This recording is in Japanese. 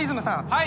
はい。